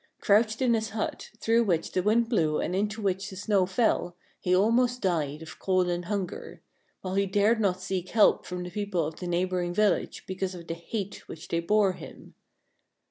Crouched in his hut, through which the wind blew and into which the snow fell, he almost died of cold and hunger; while he dared not seek help from the people of the neighboring village because of the hate which they bore him.